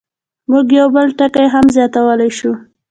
موږ یو بل ټکی هم زیاتولی شو.